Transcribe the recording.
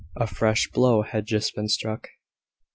A fresh blow had just been struck.